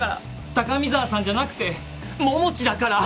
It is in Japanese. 高見沢さんじゃなくて桃地だから！